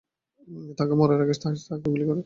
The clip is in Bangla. তাকে মারার আগেই সে তাকে গুলি করে।